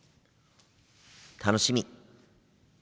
楽しみ！